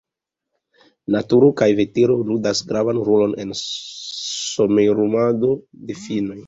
Naturo kaj vetero ludas gravan rolon en somerumado de finnoj.